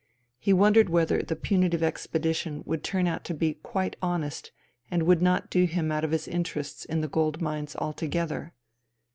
He wondered whether the punitive expedition would turn out to be quite honest and would not do him out of his interests in the gold mines altogether.